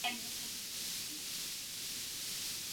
উপহার দিয়ে বাংলাঘরের একটা বিশাল চৌকি ভর্তি হয়ে গেল।